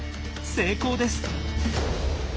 成功です！